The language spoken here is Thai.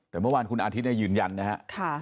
แต่เมื่อวานคุณอาทิตย์ยืนยันนะครับ